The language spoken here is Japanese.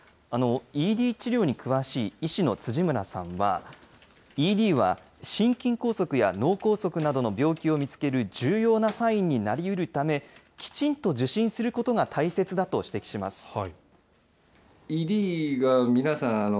ＥＤ治療に詳しい医師の辻村さんは、ＥＤは心筋梗塞や脳梗塞などの病気を見つける重要なサインになりうるため、きちんと受診することが大切だと指摘します。